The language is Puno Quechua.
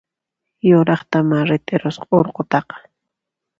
Yuraqtamá rit'irusqa urqutaqa!